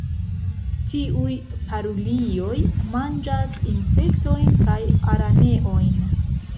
Tiuj parulioj manĝas insektojn kaj araneojn.